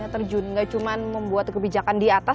tidak cuma membuat kebijakan di atas